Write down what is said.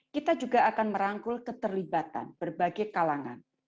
kita juga akan merangkul keterlibatan berbagai kalangan